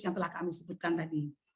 yang telah kami sebutkan tadi